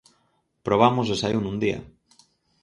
Probamos e saíu nun día.